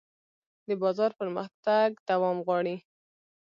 د بازار پرمختګ دوام غواړي.